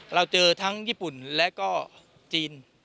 เราเจอทั้งญี่ปุ่นและก็จีน